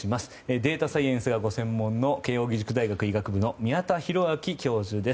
データサイエンスがご専門の慶応義塾大学医学部の宮田裕章教授です。